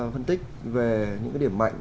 phân tích về những cái điểm mạnh